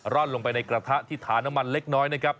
่อนลงไปในกระทะที่ทาน้ำมันเล็กน้อยนะครับ